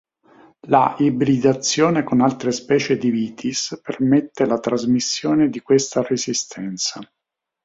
La ibridazione con altre specie di "Vitis" permette la trasmissione di questa resistenza.